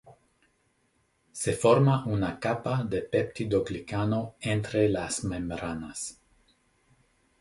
Se forma una capa de peptidoglicano entre las membranas.